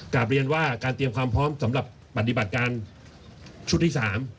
กลับเรียนว่าการเตรียมความพร้อมสำหรับปฏิบัติการชุดที่๓